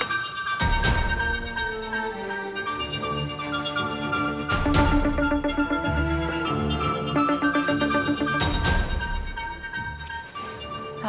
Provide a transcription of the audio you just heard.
ya pak sama sama